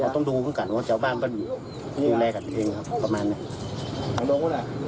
เราต้องดูข้างก่อนว่าเจ้าบ้านมันอยู่อะไรกันเองครับประมาณนี้